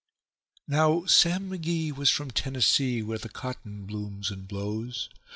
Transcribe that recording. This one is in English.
Now Sam McGee was from Tennessee, where the cotton blooms and blows.